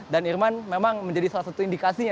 dan irman memang menjadi salah satu indikasinya